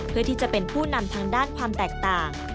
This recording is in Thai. เพื่อที่จะเป็นผู้นำทางด้านความแตกต่าง